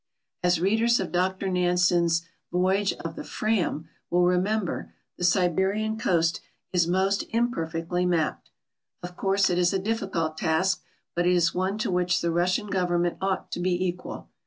As readers of Dr Nansen's Vo3^age of the Fram will remember, the Siberian coast is most imperfectly mapped. Of course it is a difficult task, but it is one to which the Russian government ought to be equal.